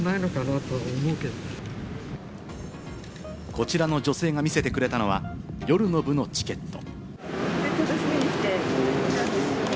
こちらの女性が見せてくれたのは、夜の部のチケット。